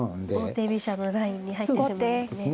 王手飛車のラインに入ってしまうんですね。